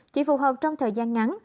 chỉ phù hợp trong thời gian ngắn